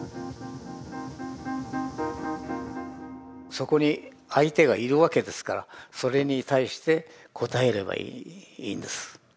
そこに相手がいるわけですからそれに対して応えればいいんです。